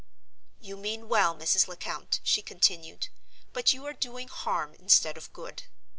"You mean well, Mrs. Lecount," she continued, "but you are doing harm instead of good.